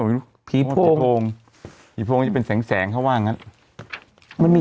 หมู่มีโฟงไอโงมีโฟงจะเป็นแสงแสงเขาว่างั้นมันมี